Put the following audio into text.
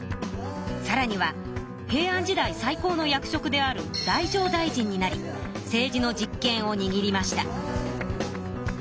さらには平安時代最高の役職である太政大臣になり政治の実権をにぎりました。